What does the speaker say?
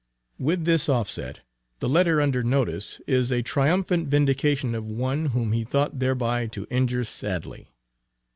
With this offset, the letter under notice is a triumphant vindication of one, whom he thought there by to injure sadly.